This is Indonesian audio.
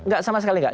gak sama sekali gak